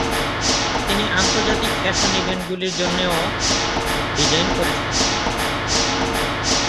তিনি আন্তর্জাতিক ফ্যাশন ইভেন্টগুলির জন্যও ডিজাইন করেছেন।